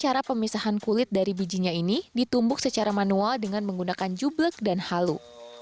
cara pemisahan kulit dari bijinya ini ditumbuk secara manual dengan menggunakan jublek dan halu